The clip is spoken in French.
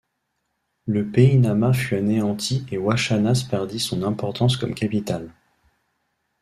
Le pays Nama fut anéanti et Hoachanas perdit son importance comme capitale.